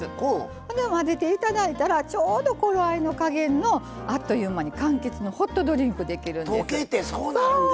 ほんで混ぜていただいたらちょうど頃合いの加減のかんきつのホットドリンクできるんです。